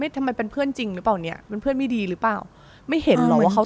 ทำไมเป็นเพื่อนส่วนจริงหรือเปล่าเป็นเพื่อนไม่ดีหรือเปล่า